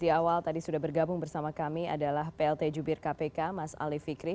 di awal tadi sudah bergabung bersama kami adalah plt jubir kpk mas ali fikri